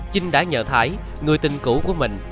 trinh đã nhờ thái người tình cũ của mình